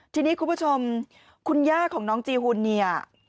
ทีนี้คุณผู้ชมคุณย่าของน้องจีหุ่นเนี่ย